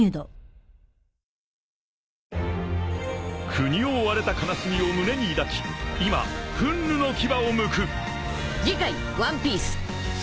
［国を追われた悲しみを胸に抱き今憤怒の牙をむく］